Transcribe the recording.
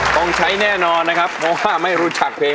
ต้องใช้แน่นอนนะครับเพราะว่าไม่รู้จักเพลง